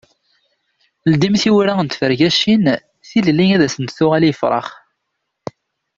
Ldim tiwwura n tfergacin, tilelli ad asen-d-tuɣal i yifrax.